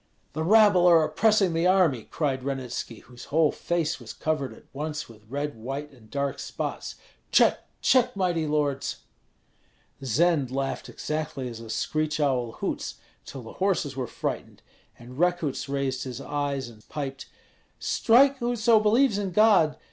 "The rabble are oppressing the army!" cried Ranitski, whose whole face was covered at once with red, white, and dark spots. "Check, check! mighty lords!" Zend laughed exactly as a screech owl hoots, till the horses were frightened; and Rekuts raised his eyes and piped, "Strike, whoso believes in God!